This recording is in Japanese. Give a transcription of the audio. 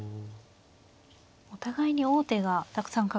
お互いに王手がたくさんかかる。